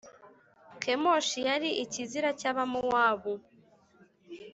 Kemoshi yari ikizira cy’Abamowabu